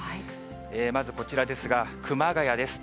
まずこちらですが、熊谷です。